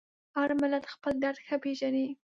هر ملت خپل درد ښه پېژني.